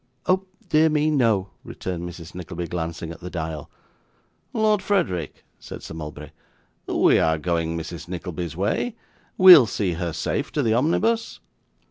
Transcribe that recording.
'Oh dear me no,' returned Mrs. Nickleby, glancing at the dial. 'Lord Frederick,' said Sir Mulberry, 'we are going Mrs. Nickleby's way. We'll see her safe to the omnibus?